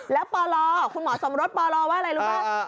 แล้วปลคุณหมอสมรสปลว่าอะไรรู้ป่ะ